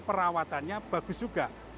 perawatannya bagus juga